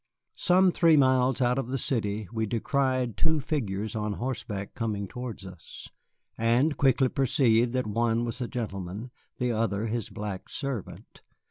Some three miles out of the city we descried two figures on horseback coming towards us, and quickly perceived that one was a gentleman, the other his black servant.